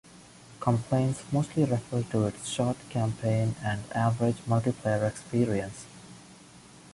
Complaints mostly refer to its short campaign and average multiplayer experience.